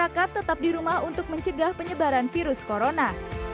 masyarakat tetap di rumah untuk mencegah penyebaran virus corona